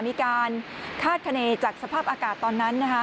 มีการคาดคณีจากสภาพอากาศตอนนั้นนะคะ